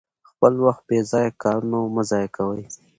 خپل وخت په بې ځایه کارونو مه ضایع کوئ.